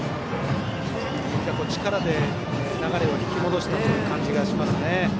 力で流れを引き戻したという感じがしますね。